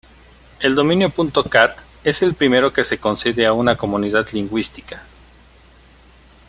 El dominio ".cat" es el primero que se concede a una comunidad lingüística.